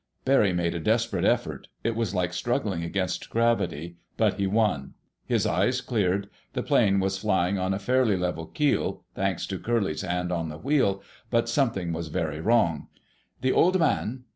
Barry made a desperate effort. It was like struggling against gravity, but he won. His eyes cleared. The plane was flying on a fairly level keel, thanks to Curly's hand on the wheel, but something was very wrong. The Old Man....